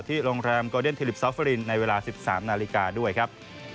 โรงแรมโกเดนทิลิปซอฟฟอรินในเวลา๑๓นาฬิกาด้วยครับ